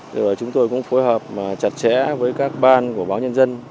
rồi chúng tôi cũng phối hợp chặt chẽ với các ban của báo nhân dân